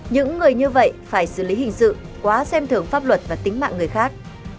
những người như vậy phải xử lý hình sự quá xem thưởng pháp luật và tính mạng người khác